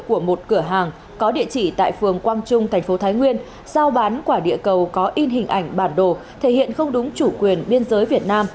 của một cửa hàng có địa chỉ tại phường quang trung thành phố thái nguyên giao bán quả địa cầu có in hình ảnh bản đồ thể hiện không đúng chủ quyền biên giới việt nam